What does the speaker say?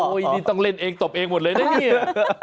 โอ้ยต้องเล่นแล้วตบเองหมดเลยหน่วย